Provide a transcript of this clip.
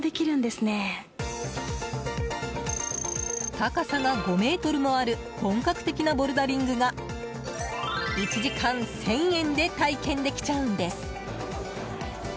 高さが５ｍもある本格的なボルダリングが１時間１０００円で体験できちゃうんです。